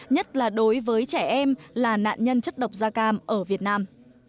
nhất là đối với trẻ em là nạn nhân chất độc da cam ở việt nam